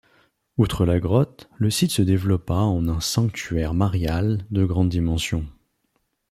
Outre la grotte, le site se développa en un sanctuaire marial de grande dimension.